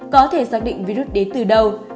có thể xác định virus đến từ đâu